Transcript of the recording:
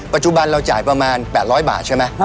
ปัจจุบันเราจ่ายประมาณ๘๐๐บาทใช่ไหม